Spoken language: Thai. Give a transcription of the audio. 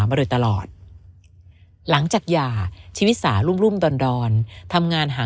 มาโดยตลอดหลังจากหย่าชีวิตสารุ่มดอนทำงานหา